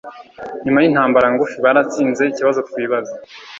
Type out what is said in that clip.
Nyuma yintambara ngufi baratsinze ikibazo twibaza